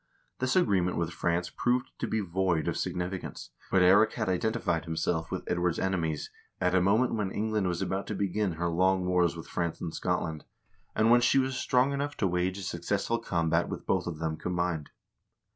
This agreement with France proved to be void of significance, but Eirik had identified himself with Edward's enemies at a moment when England was about to begin her long wars with France and Scotland, and when she was strong enough to wage a successful combat with both of them combined.